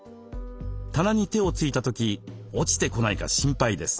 棚に手をついた時落ちてこないか心配です。